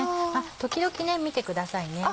時々見てくださいね。